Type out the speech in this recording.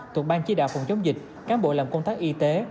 thuộc ban chỉ đạo phòng chống dịch cán bộ làm công tác y tế